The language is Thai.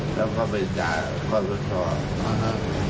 แล้วก็มืดอ่าความรอชาว